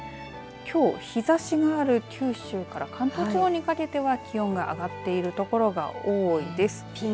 きょう日ざしがある九州から関東地方にかけては気温が上がっているところが多いです。